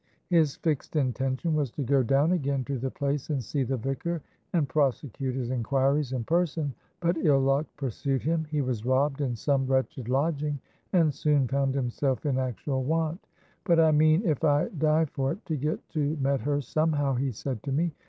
His fixed intention was to go down again to the place and see the vicar and prosecute his inquiries in person, but ill luck pursued him; he was robbed in some wretched lodging, and soon found himself in actual want; 'but I mean, if I die for it, to get to Medhurst somehow,' he said to me.